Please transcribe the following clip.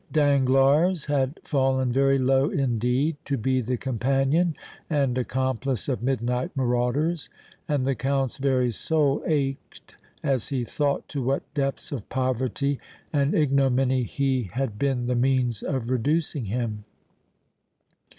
Danglars had fallen very low, indeed, to be the companion and accomplice of midnight marauders, and the Count's very soul ached as he thought to what depths of poverty and ignominy he had been the means of reducing him.